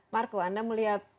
marco anda melihat